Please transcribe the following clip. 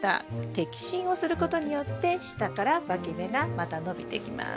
摘心をすることによって下からわき芽がまた伸びてきます。